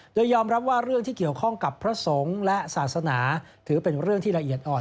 โดยยอมรับว่าเรื่องที่เกี่ยวข้องกับพระสงฆ์และศาสนาถือเป็นเรื่องที่ละเอียดอ่อน